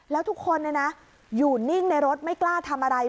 แล้วทุกคนอยู่นิ่งในรถไม่กล้าทำอะไร